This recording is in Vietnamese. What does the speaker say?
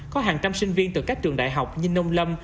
có hàng trăm sinh viên từ các trường đại học như nông lâm